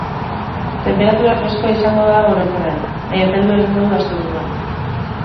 Tenperatura freskoa izango da orokorrean, baina epeldu egingo du asteburuan.